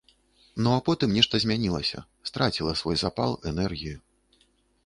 Ну, а потым нешта змянілася, страціла свой запал, энергію.